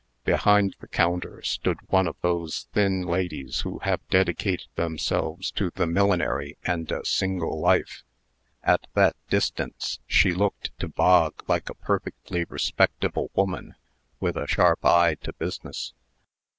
Behind the counter stood one of those thin ladies who have dedicated themselves to the millinery and a single life. At that distance, she looked to Bog like a perfectly respectable woman, with a sharp eye to business.